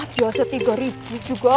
ah biasa rp tiga juga